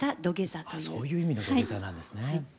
あそういう意味の土下座なんですね。